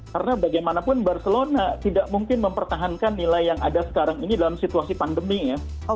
karena bagaimanapun barcelona tidak mungkin mempertahankan nilai yang ada sekarang ini dalam situasi pandemi ya